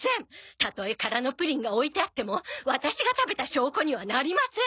たとえ空のプリンが置いてあってもワタシが食べた証拠にはなりません！